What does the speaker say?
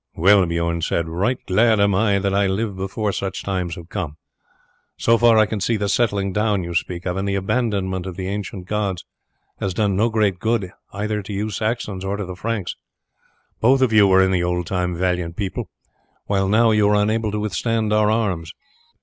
"Well," Bijorn said, "right glad am I that I live before such times have come. So far as I can see the settling down you speak of, and the abandonment of the ancient gods has done no great good either to you Saxons or to the Franks. Both of you were in the old time valiant people, while now you are unable to withstand our arms.